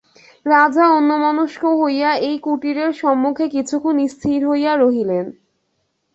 রাজা অন্যমনস্ক হইয়া এই কুটিরের সম্মুখে কিছুক্ষণ স্থির হইয়া রহিলেন।